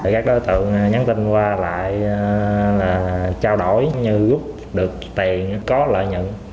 các đối tượng nhắn tin qua lại là trao đổi như góp được tiền có lợi nhận